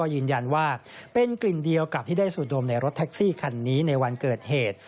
ยืนยันว่าเป็นกลิ่นเดียวกับที่ได้สูดมในรถแท็กซี่คันนี้ในวันเกิดเหตุ